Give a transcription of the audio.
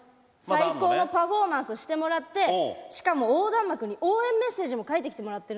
最高のパフォーマンスをしてもらってしかも横断幕に応援メッセージも書いてきてもらってるんで。